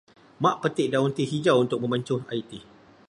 Mak petik daun teh hijau untuk membancuh air teh.